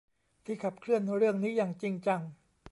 ที่ขับเคลื่อนเรื่องนี้อย่างจริงจัง